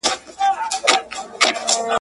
صوفي او حاکم.